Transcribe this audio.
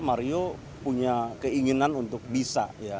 mario punya keinginan untuk bisa